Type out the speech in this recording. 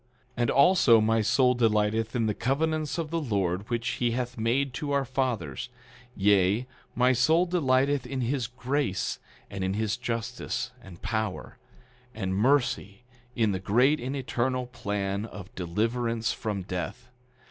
11:5 And also my soul delighteth in the covenants of the Lord which he hath made to our fathers; yea, my soul delighteth in his grace, and in his justice, and power, and mercy in the great and eternal plan of deliverance from death.